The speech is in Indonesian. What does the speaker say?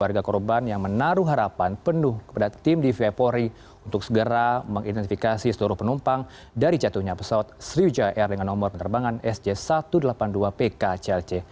warga korban yang menaruh harapan penuh kepada tim dvi polri untuk segera mengidentifikasi seluruh penumpang dari jatuhnya pesawat sriwijaya air dengan nomor penerbangan sj satu ratus delapan puluh dua pk clc